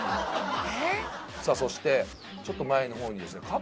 さあそしてちょっと前の方にカップルの。